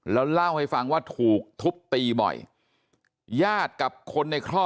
แล้วก็ยัดลงถังสีฟ้าขนาด๒๐๐ลิตร